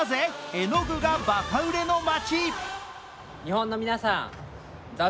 絵の具がバカ売れの街。